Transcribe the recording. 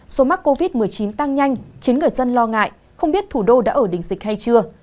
số mắc covid một mươi chín tăng nhanh khiến người dân lo ngại không biết thủ đô đã ở đỉnh dịch hay chưa